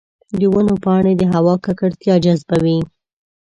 د ونو پاڼې د هوا ککړتیا جذبوي.